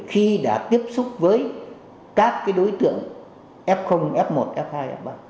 khi đã tiếp xúc với các đối tượng f f một f hai f ba